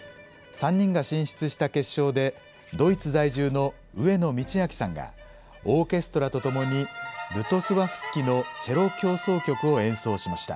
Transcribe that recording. ３人が進出した決勝で、ドイツ在住の上野通明さんが、オーケストラと共に、ルトスワフスキのチェロ協奏曲を演奏しました。